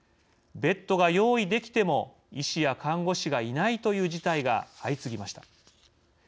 ベッドが用意できても医師や看護師がいないという事態が相次ぎました。